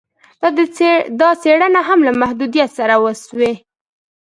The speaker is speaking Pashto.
دا څېړني هم له محدویت سره وسوې